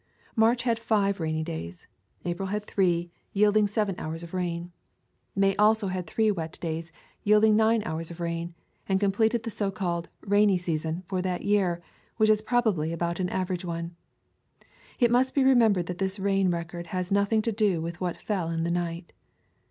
March had five rainy days. April had three, yielding seven hours of rain. [ 204 ] Twenty Eli] Hollow May also had three wet days, yielding nine hours of rain, and completed the so called "rainy season" for that year, which is prob ably about an average one. It must be re membered that this rain record has nothing to do with what fell in the night.